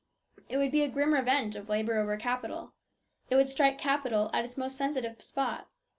It would be a grim revenge of labour over capital. It would strike capital at its most sensitive spot.